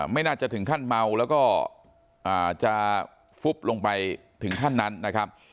ไม่น่าจะถึงขั้นเมาแล้วก็จะฟุบลงไปถึงขั้นนั้นนะครับ